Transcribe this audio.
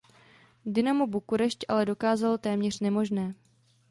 Dinamo Bukurešť ale dokázalo téměř nemožné.